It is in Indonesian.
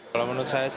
kalau menurut saya